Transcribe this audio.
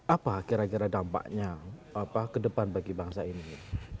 apa kira kira dampaknya ke depan bagi bangsa ini